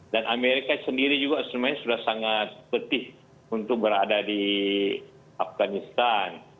dan amerika sendiri juga sebenarnya sudah sangat petih untuk berada di afganistan